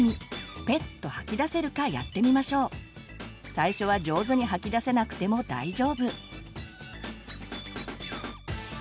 最初は上手に吐き出せなくても大丈夫。